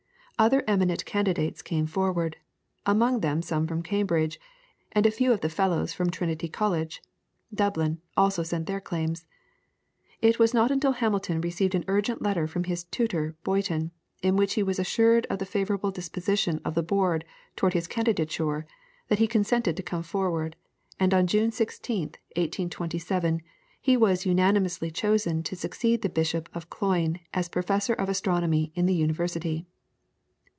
Other eminent candidates came forward, among them some from Cambridge, and a few of the Fellows from Trinity College, Dublin, also sent in their claims. It was not until Hamilton received an urgent letter from his tutor Boyton, in which he was assured of the favourable disposition of the Board towards his candidature, that he consented to come forward, and on June 16th, 1827, he was unanimously chosen to succeed the Bishop of Cloyne as Professor of Astronomy in the University.